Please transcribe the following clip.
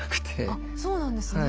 あっそうなんですね。